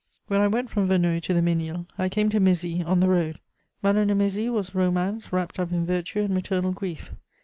When I went from Verneuil to the Ménil, I came to Mézy on the road: Madame de Mézy was romance wrapped up in virtue and maternal grief.